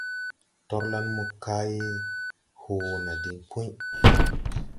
Torlan mokay hoo ne diŋ Puy.